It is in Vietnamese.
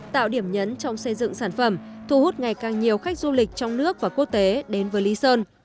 tạo điểm nhấn trong xây dựng sản phẩm thu hút ngày càng nhiều khách du lịch trong nước và quốc tế đến với lý sơn